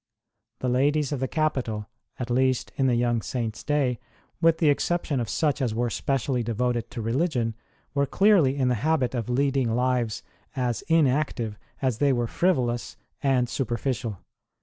The ladies of the capital, at least in the young Saint s day with the exception of such as were specially devoted to religion were clearly in the habit of leading lives as inactive as they were frivolous and superficial.